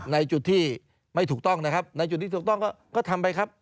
ในจุดที่ไม่ถูกต้องนะครับในจุดที่ถูกต้องก็ทำไปครับ